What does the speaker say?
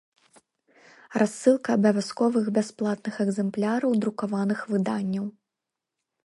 Рассылка абавязковых бясплатных экзэмпляраў друкаваных выданняў